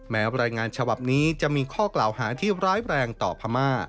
รายงานฉบับนี้จะมีข้อกล่าวหาที่ร้ายแรงต่อพม่า